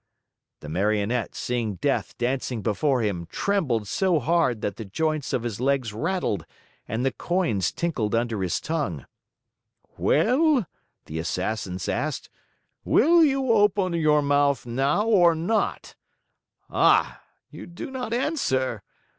The Marionette, seeing death dancing before him, trembled so hard that the joints of his legs rattled and the coins tinkled under his tongue. "Well," the Assassins asked, "will you open your mouth now or not? Ah! You do not answer?